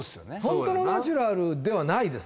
ホントのナチュラルではないです